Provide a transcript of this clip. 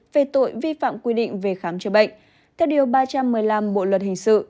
về tội vi phạm quy định về khám chữa bệnh theo điều ba trăm một mươi năm bộ luật hình sự